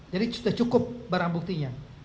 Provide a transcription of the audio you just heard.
jadi sudah cukup barang buktinya